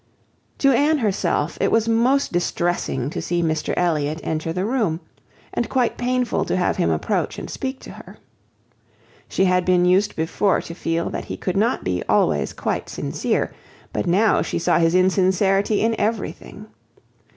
To Anne herself it was most distressing to see Mr Elliot enter the room; and quite painful to have him approach and speak to her. She had been used before to feel that he could not be always quite sincere, but now she saw insincerity in everything.